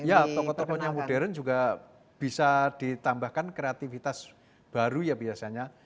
ya tokoh tokoh yang modern juga bisa ditambahkan kreativitas baru ya biasanya